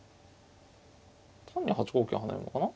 単に８五桂跳ねるのかな